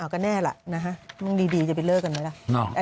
ก็แน่ล่ะนะคะมึงดีจะไปเลิกกันไหมล่ะ